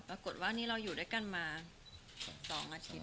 ปรากฏว่านี่เราอยู่ด้วยกันมา๒อาทิตย์